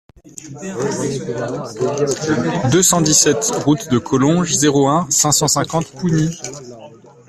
deux cent dix-sept route de Collonges, zéro un, cinq cent cinquante Pougny